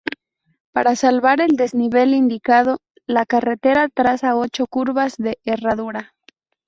Para salvar el desnivel indicado, la carretera traza ocho curvas de herradura.